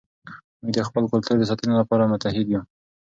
موږ د خپل کلتور د ساتنې لپاره متحد یو.